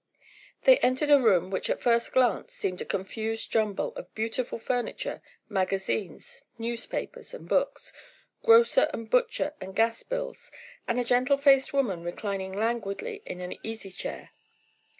They entered a room which at first glance seemed a confused jumble of beautiful furniture, magazines, newspapers and books, grocer and butcher and gas bills, and a gentle faced woman reclining languidly in an easy chair.